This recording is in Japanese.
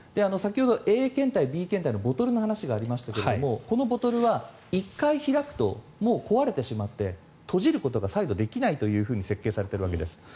先ほど、Ａ検体、Ｂ検体のボトルの話がありましたがこのボトルは１回開くともう壊れてしまって閉じることが再度、できないというふうに設計されているわけです。